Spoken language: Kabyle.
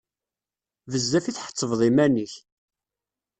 Bezzaf i tḥettbeḍ iman-ik!